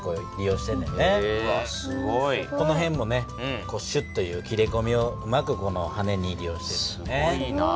この辺もシュッという切れ込みをうまくこの羽に利用してんねん。